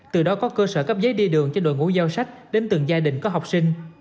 từ đó có cơ sở cấp giấy đi đường cho đội ngũ giao sách đến từng gia đình có học sinh